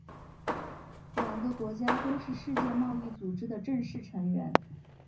两个国家都是世界贸易组织的正式成员。